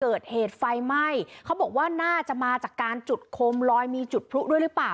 เกิดเหตุไฟไหม้เขาบอกว่าน่าจะมาจากการจุดโคมลอยมีจุดพลุด้วยหรือเปล่า